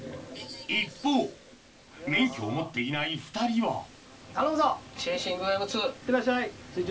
一方免許を持っていない２人はいってらっしゃい。